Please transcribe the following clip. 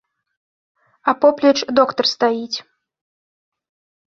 А поплеч доктар стаіць.